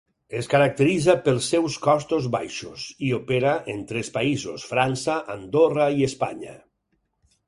Es caracteritza pels seus costos baixos, i opera en tres països, França, Andorra i Espanya.